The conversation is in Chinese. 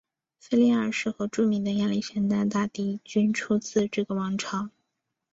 腓力二世和著名的亚历山大大帝均出自这个王朝。